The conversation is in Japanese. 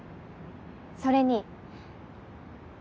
それに。